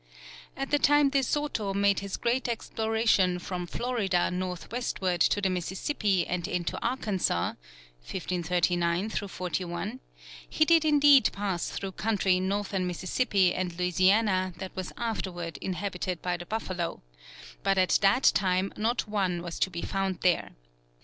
At the time De Soto made his great exploration from Florida northwestward to the Mississippi and into Arkansas (1539 '41) he did indeed pass through country in northern Mississippi and Louisiana that was afterward inhabited by the buffalo, but at that time not one was to be found there.